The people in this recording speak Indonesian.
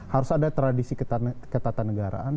harus ada tradisi ketatanegaraan